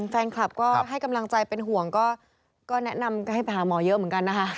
แฟนคลับก็ให้กำลังใจเป็นห่วงก็แนะนำให้ไปหาหมอเยอะเหมือนกันนะคะ